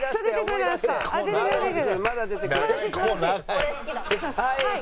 これ好きだね。